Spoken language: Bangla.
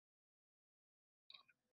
এর জন্য তোমার ধন্যবাদ জানানো উচিত মানিকমকে।